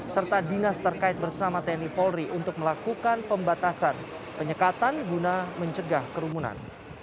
serta dinas terkait bersama tni polri untuk melakukan pembatasan penyekatan guna mencegah kerumunan